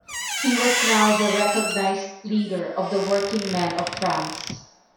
He was now the recognized leader of the working-men of France.